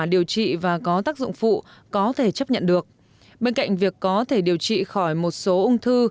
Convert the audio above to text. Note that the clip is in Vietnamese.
điều trị và có tác dụng phụ có thể chấp nhận được bên cạnh việc có thể điều trị khỏi một số ung thư